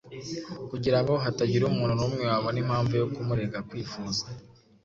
kugira ngo hatagira umuntu n’umwe wabona impamvu yo kumurega kwifuza,